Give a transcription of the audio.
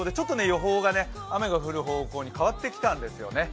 予報がね、雨が降る方向に変わってきたんですよね。